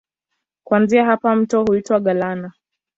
Kuanzia hapa mto huitwa Galana.